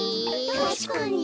たしかに。